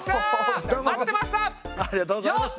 ありがとうございます。